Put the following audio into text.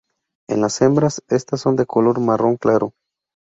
En las hembras, estas son de color marrón claro.